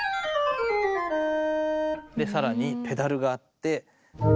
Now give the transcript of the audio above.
さらにペダルがあって。